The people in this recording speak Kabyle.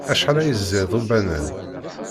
Acḥal ay ẓid ubanan.